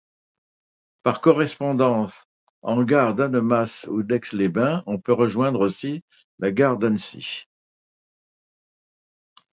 Par correspondance en gares d'Annemasse ou d'Aix-les-Bains, on peut rejoindre aussi la gare d'Annecy.